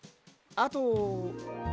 あと？